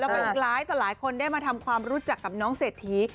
ก็อาจจะหลายคนได้มาทำความรู้จักกับน้องเศรษฐี